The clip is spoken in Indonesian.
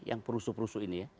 yang perusuh perusuh ini ya